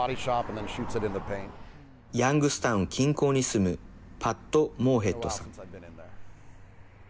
ヤングスタウン近郊に住むパット・モーヘッドさん。